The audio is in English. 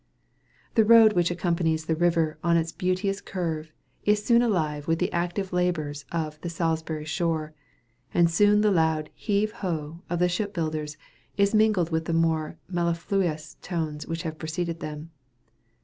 The road which accompanies the river in its beauteous curve, is soon alive with the active laborers of "Salisbury shore;" and soon the loud "Heave ho!" of the ship builders is mingled with the more mellifluous tones which have preceded them.